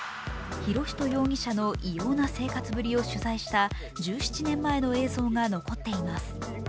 博仁容疑者の異様な生活ぶりを取材した１７年前の映像が残っています。